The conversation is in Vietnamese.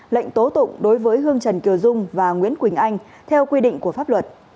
lệnh tố tụng đối với hương trần kiều dung và nguyễn quỳnh anh theo quy định của pháp luật